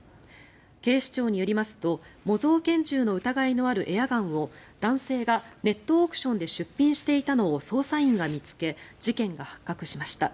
警視庁によりますと模造拳銃の疑いのあるエアガンを男性がネットオークションで出品していたのを捜査員が見つけ事件が発覚しました。